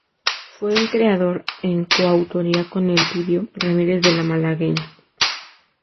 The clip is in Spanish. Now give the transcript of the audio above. Fue el creador en coautoría con Elpidio Ramírez de "La Malagueña".